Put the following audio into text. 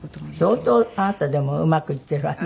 相当あなたでもうまくいっているわね